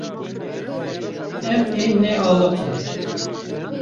Em ê nealiqin.